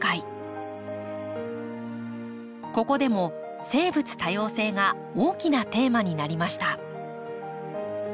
ここでも生物多様性が大きなテーマになりました。